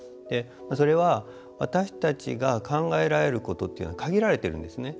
それは私たちが考えられることっていうのは限られているんですね。